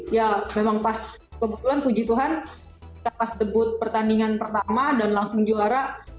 ya memang pas kebetulan puji tuhan kita pas debut pertandingan pertama dan langsung juara